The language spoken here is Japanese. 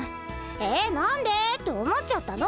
え何でって思っちゃったの！